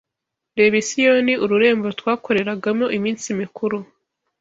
Reba i Siyoni ururembo twakoreragamo iminsi mikuru